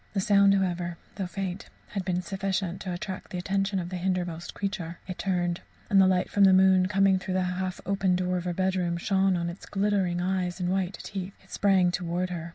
The sound, however, though faint, had been sufficient to attract the attention of the hindermost creature. It turned, and the light from the moon, coming through the half open door of her bedroom, shone on its glittering eyes and white teeth. It sprang towards her.